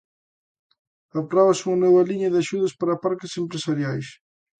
Apróbase unha nova liña de axudas para parques empresariais.